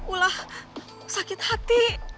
ulah sakit hati